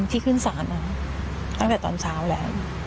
ที่ขึ้นศาลมาตั้งแต่ตอนเช้าแล้ว